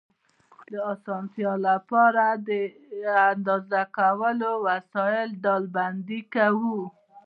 د اسانتیا لپاره د اندازه کولو وسایل ډلبندي کوو.